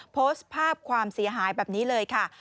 โพสต์ภาพความเสียหายแบบนี้เลยค่ะ